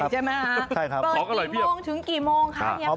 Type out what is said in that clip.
เปิดติดตามไปไหน